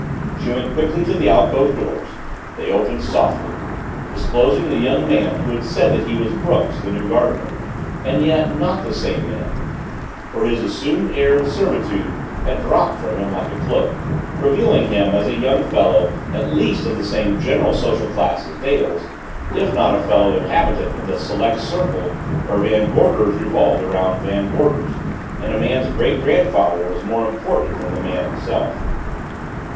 She went quickly to the alcove doors they opened softly disclosing the young man who had said that he was Brooks the new gardener and yet not the same young man for his assumed air of servitude had dropped from him like a cloak, revealing him as a young fellow at least of the same general social class as Dale's if not a fellow inhabitant of the select circle where Van Gorders revolved about Van Gorders, and a man's great grandfather was more important than the man himself.